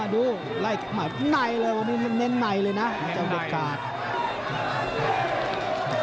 ดูไล่กับมันไหนเลยวันนี้มันเน้นไหนเลยนะเจ้าเด็ดคาร์ด